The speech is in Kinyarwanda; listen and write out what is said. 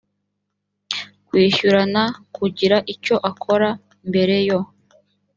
kwishyurana kugira icyo akora mbere yo